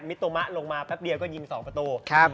มิโตมะลงมาแป๊บเดียวก็ยิง๒ประตู